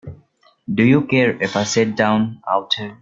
Do you care if I sit down out here?